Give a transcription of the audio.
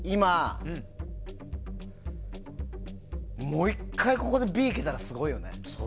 もう１回ここでＢいけたらすごいよね。